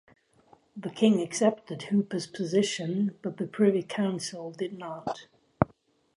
The king accepted Hooper's position, but the Privy Council did not.